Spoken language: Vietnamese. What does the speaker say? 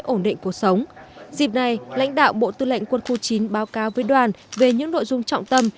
ổn định cuộc sống dịp này lãnh đạo bộ tư lệnh quân khu chín báo cáo với đoàn về những nội dung trọng tâm